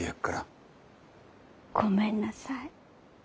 ごめんなさい。